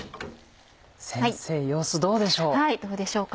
先生様子どうでしょう？